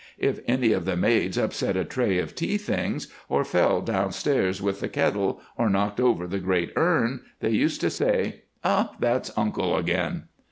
If any of the maids upset a tray of tea things, or fell downstairs with the kettle, or knocked over the great urn, they used to say—'Oh! That's Uncle again!